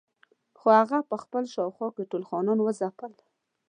خو هغه په خپله شاوخوا کې ټول خانان وځپل.